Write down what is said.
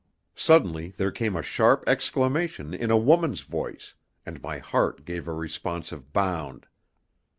Suddenly there came a sharp exclamation in a woman's voice, and my heart gave a responsive bound.